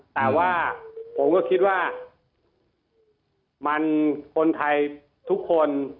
แต่ว่าผมก็คิดว่ามันคนไทยทุกคน